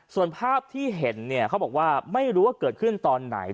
ส่วนภาพที่เห็นเนี่ยเขาบอกว่าไม่รู้ว่าเกิดขึ้นตอนไหน